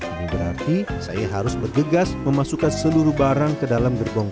ini berarti saya harus bergegas memasukkan seluruh barang